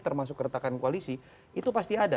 termasuk keretakan koalisi itu pasti ada